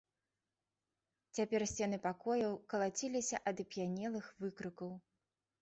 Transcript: Цяпер сцены пакояў калаціліся ад ап'янелых выкрыкаў.